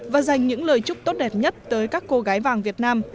và dành những lời chúc tốt đẹp nhất tới các cô gái vàng việt nam